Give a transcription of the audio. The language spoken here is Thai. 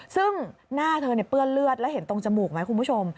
ซึ่งหน้าเธอเปื้อนเลือดแล้วเห็นตรงจมูกไหมคุณผู้ชม